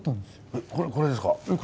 えこれですか？